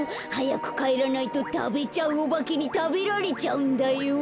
はやくかえらないとたべちゃうおばけにたべられちゃうんだよ。